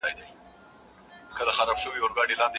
ایا ته غواړې چې زه ستا لپاره څه وکړم؟